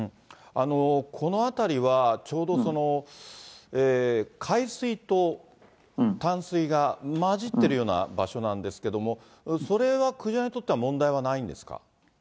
この辺りは、ちょうど海水と淡水が混じっているような場所なんですけれども、それはクジラにとっては問題はないんですか。